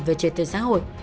về trời tự xã hội